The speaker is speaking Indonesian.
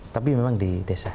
tapi memang di desa